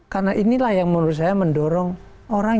karena inilah yang menurut saya mendorong orang